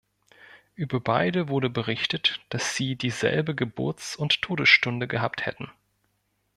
Über beide wurde berichtet, dass sie dieselbe Geburts- und Todesstunde gehabt hätten.